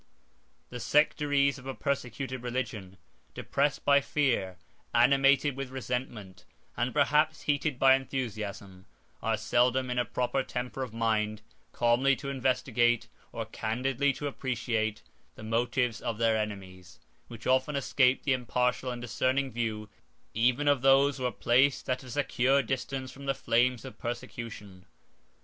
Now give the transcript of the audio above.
] The sectaries of a persecuted religion, depressed by fear animated with resentment, and perhaps heated by enthusiasm, are seldom in a proper temper of mind calmly to investigate, or candidly to appreciate, the motives of their enemies, which often escape the impartial and discerning view even of those who are placed at a secure distance from the flames of persecution.